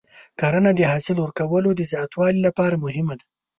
کرنه د حاصل ورکولو د زیاتوالي لپاره مهمه ده.